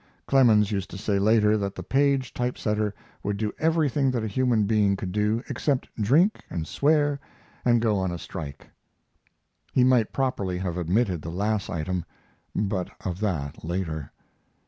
Clemens' used to say later that the Paige type setter would do everything that a human being could do except drink and swear and go on a strike. He might properly have omitted the last item, but of that later.